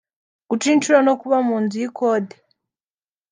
guca incuro no kuba mu nzu y’ikode